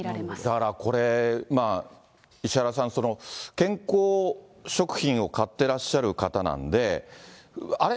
だからこれ、まあ、石原さん、健康食品を買ってらっしゃる方なんで、あれ？